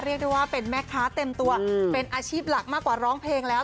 เรียกได้ว่าเป็นแม่ค้าเต็มตัวเป็นอาชีพหลักมากกว่าร้องเพลงแล้ว